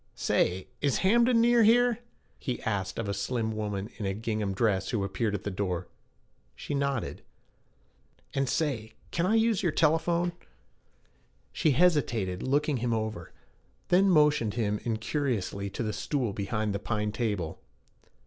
'Say, is Hamden near here?' he asked of a slim woman in a gingham dress who appeared at the door. She nodded. 'And say, can I use your telephone?' She hesitated, looking him over, then motioned him incuriously to the stool behind the pine table.